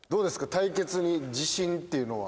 対決に自信っていうのは？